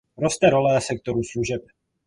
Roste role sektoru služeb.